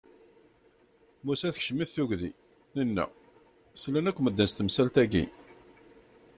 Musa tekcem-it tugdi, inna: Slan akk medden s temsalt-agi!